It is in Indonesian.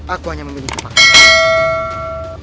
aku hanya memiliki pakaian